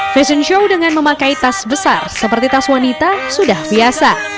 fashion show dengan memakai tas besar seperti tas wanita sudah biasa